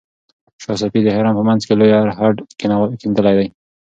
شاه صفي د حرم په منځ کې لوی ارهډ کیندلی و.